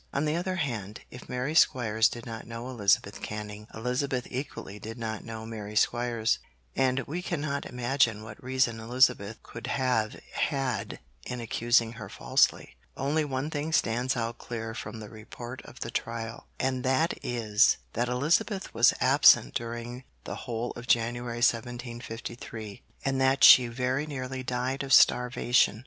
On the other hand, if Mary Squires did not know Elizabeth Canning, Elizabeth equally did not know Mary Squires, and we cannot imagine what reason Elizabeth could have had in accusing her falsely. Only one thing stands out clear from the report of the trial, and that is, that Elizabeth was absent during the whole of January 1753, and that she very nearly died of starvation.